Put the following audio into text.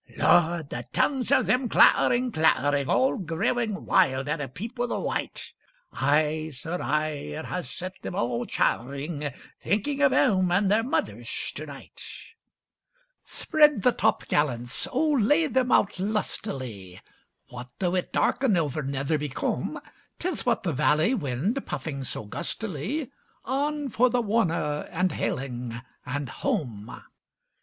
'Lord! the tongues of them clattering, clattering, All growing wild at a peep of the Wight; Aye, sir, aye, it has set them all chattering, Thinking of home and their mothers to night.' Spread the topgallants—oh, lay them out lustily! What though it darken o'er Netherby Combe? 'Tis but the valley wind, puffing so gustily— On for the Warner and Hayling and Home!